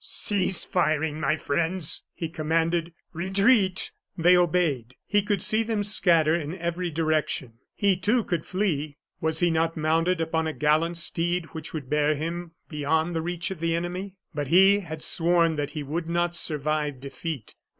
"Cease firing, my friends," he commanded; "retreat!" They obeyed he could see them scatter in every direction. He too could flee; was he not mounted upon a gallant steed which would bear him beyond the reach of the enemy? But he had sworn that he would not survive defeat.